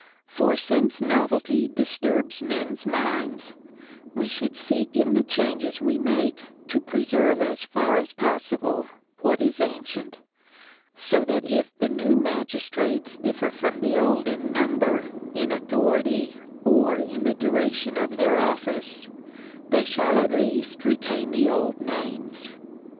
For since novelty disturbs men's minds, we should seek in the changes we make to preserve as far as possible what is ancient, so that if the new magistrates differ from the old in number, in authority, or in the duration of their office, they shall at least retain the old names.